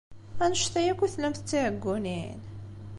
Annect-a akk i tellamt d tiɛeggunin?